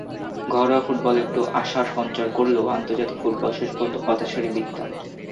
ঘরোয়া ফুটবল একটু আশার সঞ্চার করলেও আন্তর্জাতিক ফুটবল শেষ পর্যন্ত হতাশারই বৃত্তান্ত।